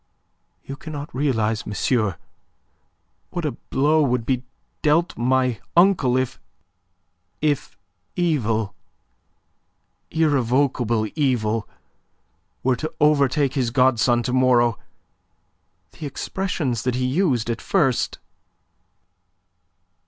"You cannot realize, monsieur, what a blow would be dealt my uncle if... if evil, irrevocable evil were to overtake his godson to morrow. The expressions that he used at first..."